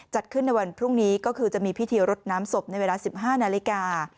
จัดขึ้นในวันพรุ่งนี้ก็คือจะมีพิธีรดน้ำศพในเวลา๑๕นาฬิกา